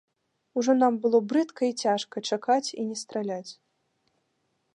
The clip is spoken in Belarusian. Ужо нам было брыдка і цяжка чакаць і не страляць.